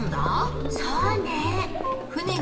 そうねえ。